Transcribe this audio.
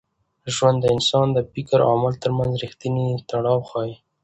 ژوند د انسان د فکر او عمل تر منځ رښتینی تړاو ښيي.